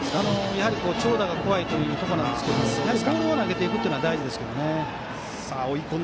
やはり長打が怖いというところですけれどもボールを投げていくというのは大事ですね。